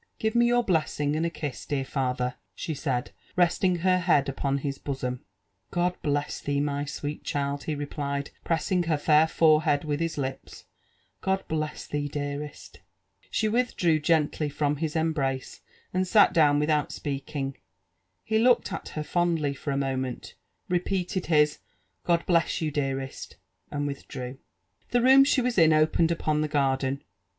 " Give me your blessing and a; kiss, dear father I" she said, resting her head upon his bosom. "God bless thee, my sweet child I" he replied, pressing her fair forehead with his lips, —" God bless thee, dearest!" " She withdrew gently from his embrace, and sat down without speaking. He looked at her fondly for a moment, repeated his " God bless you, dearest 1" and withdrew. The room she was in opened upon the garden.